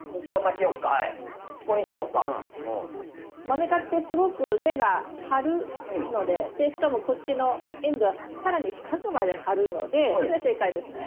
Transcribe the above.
マメ科ってすごく根が張るのででしかもこっちのエンドウは更に深くまで張るのでそれ正解ですね。